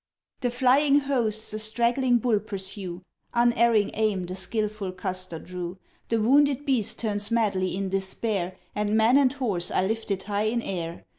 The flying hosts a straggling bull pursue; Unerring aim, the skillful Custer drew. The wounded beast turns madly in despair And man and horse are lifted high in air.